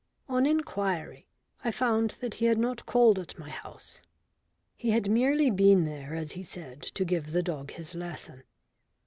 On inquiry I found that he had not called at my house. He had merely been there, as he said, to give the dog his lesson.